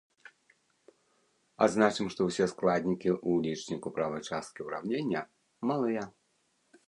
Адзначым, што ўсе складнікі ў лічніку правай часткі ўраўнення малыя.